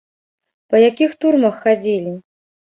Па якіх турмах хадзілі?